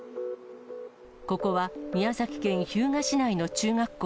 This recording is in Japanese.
ここは宮崎県日向市内の中学校。